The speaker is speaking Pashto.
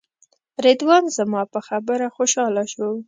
رضوان زما په خبره خوشاله شو.